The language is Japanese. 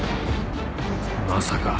まさか。